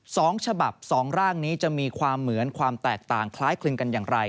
สองฉบับสองร่างนี้จะมีความเหมือนความแตกต่างคล้ายคลึงกันอย่างไร